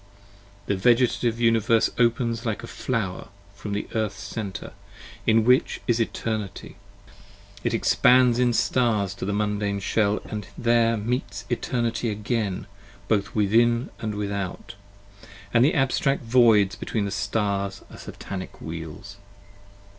The Vegetative Universe opens like a flower from the Earth's center, 35 In which is Eternity. It expands in Stars to the Mundane Shell And there it meets Eternity again, both within and without, And the abstract Voids between the Stars are the Satanic Wheels.